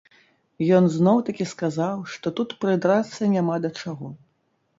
Ён зноў-такі сказаў, што тут прыдрацца няма да чаго.